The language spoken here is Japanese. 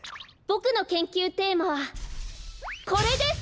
ボクの研究テーマはこれです！